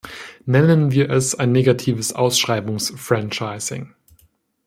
Nennen wir es ein negatives Ausschreibungsfranchising.